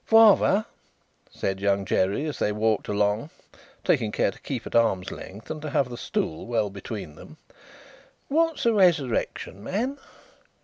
"Father," said Young Jerry, as they walked along: taking care to keep at arm's length and to have the stool well between them: "what's a Resurrection Man?"